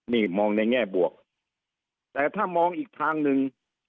นี่มองในแง่บวกแต่ถ้ามองอีกทางหนึ่ง